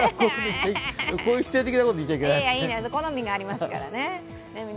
こういう否定的なこと言っちゃいけないかな。